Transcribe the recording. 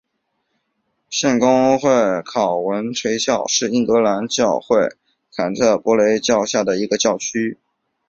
圣公会考文垂教区是英格兰教会坎特伯雷教省下面的一个教区。